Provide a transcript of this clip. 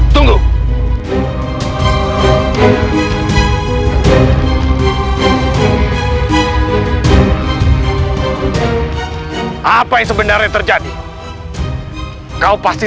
tunggu kuranda geni